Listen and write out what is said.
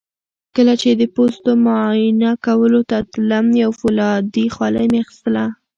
کله چې د پوستو معاینه کولو ته تلم یو فولادي خولۍ مې اخیستله.